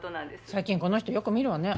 最近この人よく見るわね。